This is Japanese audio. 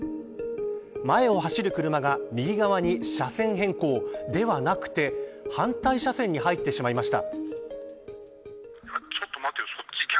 前を走る車が右側に車線変更ではなくて反対車線に入ってしまいました。